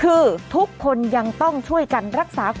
แล้วนั้นคุณก็จะได้รับเงินเข้าแอปเป๋าตังค์